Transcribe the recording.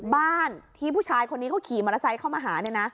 บ้านที่ผู้ชายคนนี้เขาขี่มอเตอร์ไซค์เข้ามาหาเนี่ยนะ